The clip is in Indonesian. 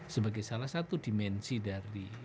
sebagai salah satu dimensi dari